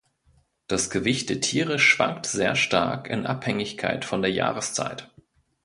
Das Gewicht der Tiere schwankt sehr stark in Abhängigkeit von der Jahreszeit.